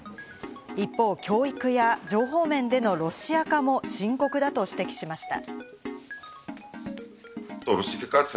一方、教育や情報面でのロシア化も深刻だと指摘しました。